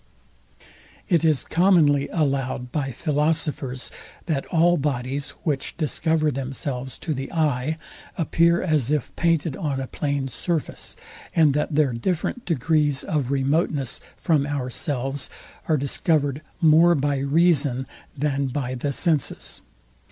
It is commonly allowed by philosophers, that all bodies, which discover themselves to the eye, appear as if painted on a plain surface, and that their different degrees of remoteness from ourselves are discovered more by reason than by the senses.